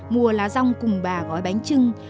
mùa lá rong cùng bà gói bánh trưng